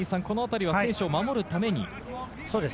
このあたりは選手を守るために。